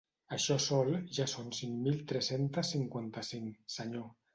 Això sol ja són cinc-mil tres-centes cinquanta-cinc, senyor.